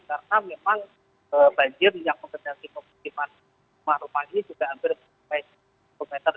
karena memang banjir yang mengenangi pemerintah semarang ini juga hampir satu meter